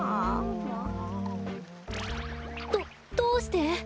どどうして！？